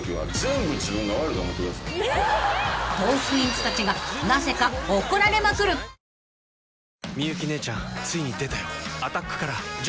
［トークィーンズたちがなぜか怒られまくる］それビール？